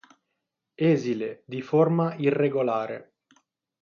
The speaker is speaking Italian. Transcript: Esile, di forma irregolare.